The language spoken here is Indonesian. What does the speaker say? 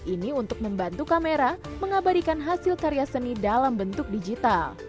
ini untuk membantu kamera mengabadikan hasil karya seni dalam bentuk digital